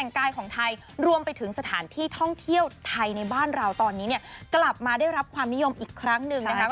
แต่งกายของไทยรวมไปถึงสถานที่ท่องเที่ยวไทยในบ้านเราตอนนี้เนี่ยกลับมาได้รับความนิยมอีกครั้งหนึ่งนะครับ